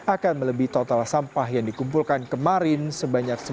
akan melebih total sampah yang dikumpulkan kemarin sebanyak sembilan belas ton sampah